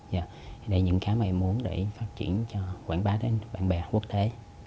đấy là những cái mà em muốn để phát triển cho quảng bá đến bạn bè quốc tế